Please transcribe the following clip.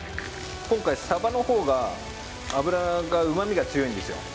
今回サバの方が脂が旨味が強いんですよ